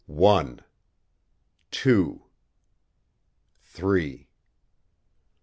One! Two! Three!